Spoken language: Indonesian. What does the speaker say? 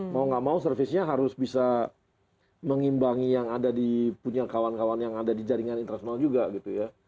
mau gak mau servisnya harus bisa mengimbangi yang ada di punya kawan kawan yang ada di jaringan internasional juga gitu ya